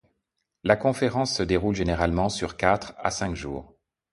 La conférence se déroule généralement sur quatre à cinq jours.